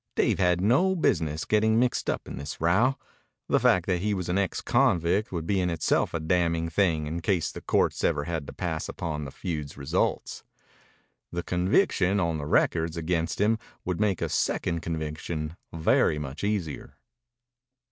Dave had no business getting mixed up in this row. The fact that he was an ex convict would be in itself a damning thing in case the courts ever had to pass upon the feud's results. The conviction on the records against him would make a second conviction very much easier.